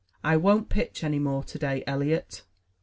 "I won't pitch any more to day, Eliot."